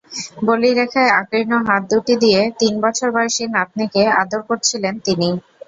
বলিরেখায় আকীর্ণ হাত দুটি দিয়ে তিন বছর বয়সী নাতনিকে আদর করছিলেন তিনি।